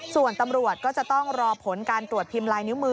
ส่วนตำรวจก็จะต้องรอผลการตรวจพิมพ์ลายนิ้วมือ